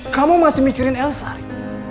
kamu masih mikirin elsa